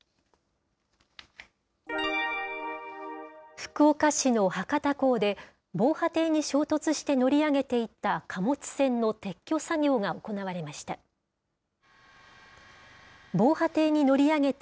福岡市の博多港で、防波堤に衝突して乗り上げていた貨物船の撤去作業が行われました。